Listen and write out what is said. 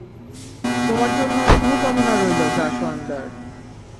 তোমার জন্য শুভকামনা রইল জাশয়োন্দার।